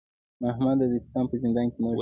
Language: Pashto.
محمد د سیستان په زندان کې مړ شو.